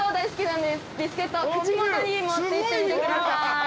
ビスケットを口元に持っていってみてください。